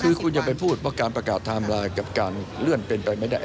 คือคุณอย่าไปพูดเพราะการประกาศไทม์ไลน์กับการเลื่อนเป็นไปไม่ได้